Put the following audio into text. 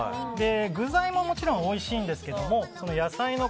具材ももちろんおいしいんですけども野菜の